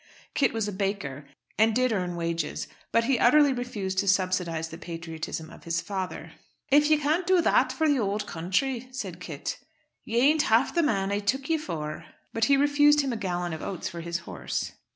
Kit was a baker, and did earn wages; but he utterly refused to subsidise the patriotism of his father. "If ye can't do that for the ould counthry," said Kit, "ye ain't half the man I took ye for." But he refused him a gallon of oats for his horse.